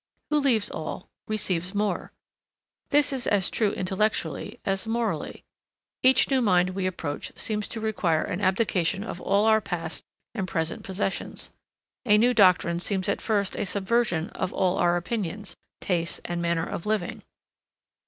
Who leaves all, receives more. This is as true intellectually as morally. Each new mind we approach seems to require an abdication of all our past and present possessions. A new doctrine seems at first a subversion of all our opinions, tastes, and manner of living.